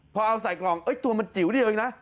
พอเอาใส่กล่องตัวมันจิ๋วเดียวเองนะ